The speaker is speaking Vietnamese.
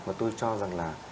mà tôi cho rằng là